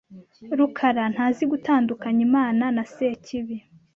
rukarantazi gutandukanya Imana na Sekibi.